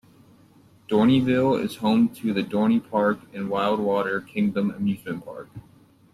Dorneyville is home to the Dorney Park and Wildwater Kingdom amusement park.